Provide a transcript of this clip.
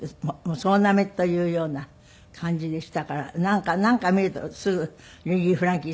総なめというような感じでしたからなんか見るとすぐリリー・フランキーさん